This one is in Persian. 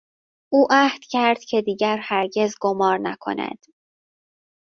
او عهد کرد که دیگر هرگز قمار نکند.